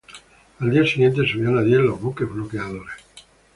Al día siguiente subían a diez los buques bloqueadores.